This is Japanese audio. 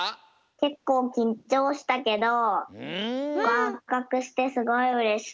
けっこうきんちょうしたけどごうかくしてすごいうれしかった。